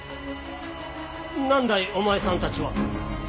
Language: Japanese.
何だいお前さんたちは。